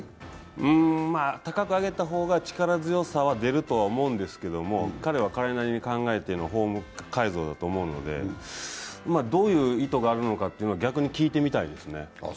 うーん、高く上げた方が力強さは出ると思うんですけど、彼は彼なりに考えてのフォーム改造だと思うので、どういう意図があるのかというのは逆に聞いてみたいですね。